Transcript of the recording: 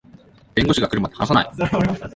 弁護士が来るまで話さない